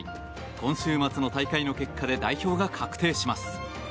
今週末の大会の結果で代表が確定します。